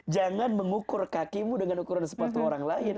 jangan mengukur kakimu dengan ukuran sepatu orang lain